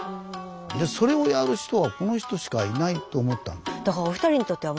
それをやる人はこの人しかいないと思ったの。